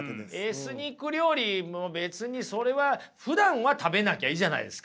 エスニック料理別にそれはふだんは食べなきゃいいじゃないですか。